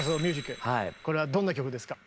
これはどんな曲ですか？